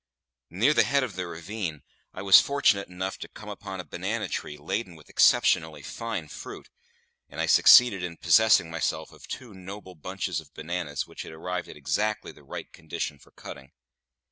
Near the head of the ravine, I was fortunate enough to come upon a banana tree laden with exceptionally fine fruit, and I succeeded in possessing myself of two noble bunches of bananas which had arrived at exactly the right condition for cutting.